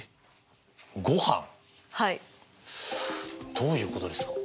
どういうことですか？